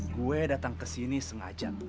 gue datang kesini sengaja